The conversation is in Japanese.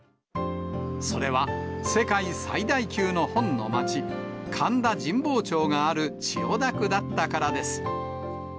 それは、世界最大級の本の町、神田神保町がある千代田区だったからです。